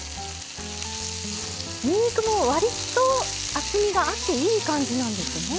にんにくも割と厚みがあっていい感じなんですね。